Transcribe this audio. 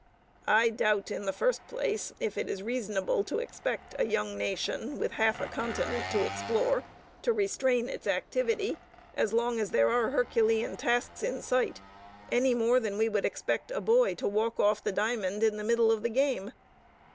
I doubt, in the first place, if it is reasonable to expect a young nation with half a continent to explore to restrain its activity, as long as there are herculean tasks in sight, any more than we would expect a boy to walk off the diamond in the middle of the game.